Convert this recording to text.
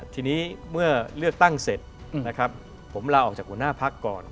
ทีนี้เมื่อเลือกตั้งเสร็จนะครับผมลาออกจากหัวหน้าพักก่อน